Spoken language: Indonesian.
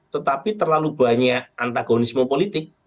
tetapi terlalu banyak antagonisme politik